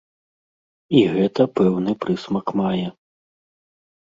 І гэта пэўны прысмак мае.